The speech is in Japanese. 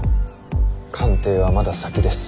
官邸はまだ先です。